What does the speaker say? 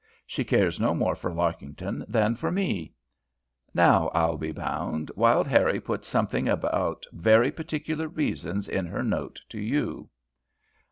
She cares no more for Larkington than for me. Now, I'll be bound Wild Harrie put something about very particular reasons in her note to you."